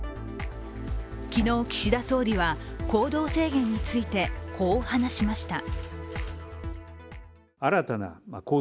昨日、岸田総理は行動制限についてこう話しました。